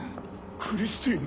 クリスティーヌ？